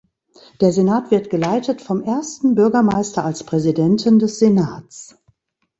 Der Senat wird geleitet vom Ersten Bürgermeister als Präsidenten des Senats.